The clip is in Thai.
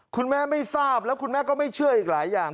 คุณแม่ไม่ทราบแล้วคุณแม่ก็ไม่เชื่ออีกหลายอย่าง